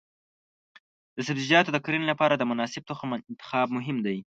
د سبزیجاتو د کرنې لپاره د مناسب تخم انتخاب مهم دی.